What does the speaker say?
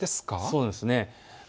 そうですね。